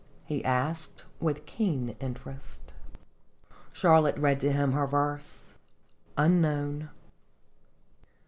he asked, with keen interest. Charlotte read to him her verses :" UNKNOWN.